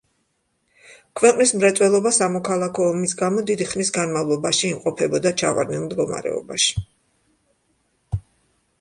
ქვეყნის მრეწველობა სამოქალაქო ომის გამო დიდი ხნის განმავლობაში იმყოფებოდა ჩავარდნილ მდგომარეობაში.